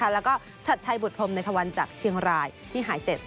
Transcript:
เสัฐชัยบุตรภรมในทหวันจากเชียงไรที่หายเจ็ด